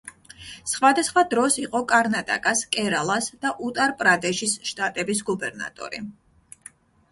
სხვადასხვა დროს იყო კარნატაკას, კერალას და უტარ-პრადეშის შტატების გუბერნატორი.